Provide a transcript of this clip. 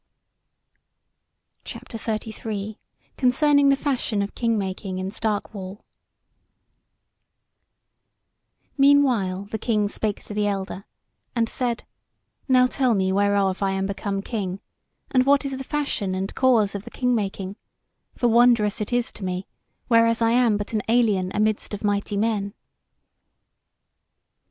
CHAPTER XXXIII: CONCERNING THE FASHION OF KING MAKING IN STARK WALL Meanwhile the King spake to the elder, and said: "Now tell me whereof I am become king, and what is the fashion and cause of the king making; for wondrous it is to me, whereas I am but an alien amidst of mighty men."